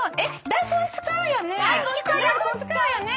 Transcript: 大根使うよね？